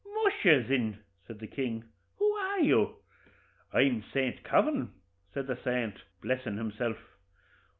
'Musha! thin,' says the king, 'who are you?' 'I'm Saint Kavin,' said the saint, blessin' himself.